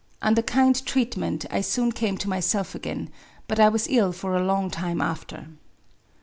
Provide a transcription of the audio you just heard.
Under kind treatment I soon came to myself again ; but I was ill for a long time after.